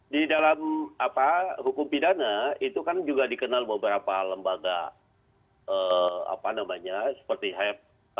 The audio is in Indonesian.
di dalam hukum pidana itu kan juga dikenal beberapa lembaga seperti hep